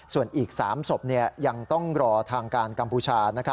ส่วนอีก๓ศพยังต้องรอทางการกัมพูชา